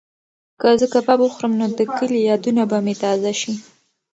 که زه کباب وخورم نو د کلي یادونه به مې تازه شي.